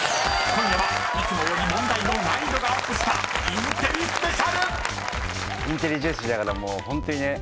［今夜はいつもより問題の難易度がアップしたインテリスペシャル！］